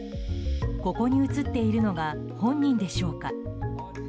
ここに映っているのは本人でしょうか。